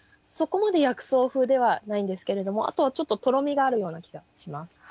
そこまで薬草風ではないんですけれどもあとはちょっととろみがあるような気がします。